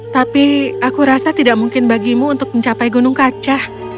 tapi aku rasa tidak mungkin bagimu untuk mencapai gunung kaca